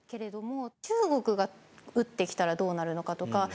中国が撃ってきたらどうなるのかとか。